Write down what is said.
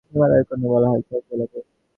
হিমালয়ের কন্যা বলা হয় কোন জেলাকে?